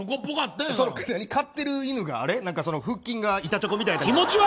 飼ってる犬が腹筋が板チョコみたいとか？